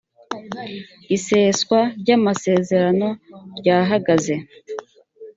iseswa ryamasezerano ryahagaze.